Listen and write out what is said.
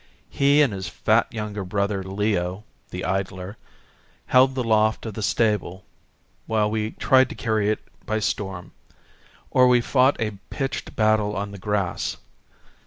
He and his fat young brother Leo, the idler, held the loft of the stable while we tried to carry it by storm; or we fought a pitched battle on the grass.